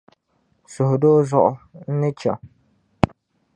Suhudoo zuɣu, n ni chaŋ.